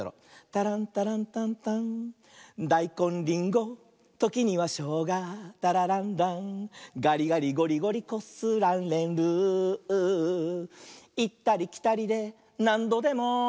「タランタランタンタン」「だいこんりんごときにはしょうがタラランラン」「がりがりごりごりこすられる」「いったりきたりでなんどでも」